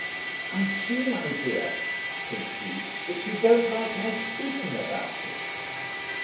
'I see, my dear,' said she, 'that you don't like my speaking about it.'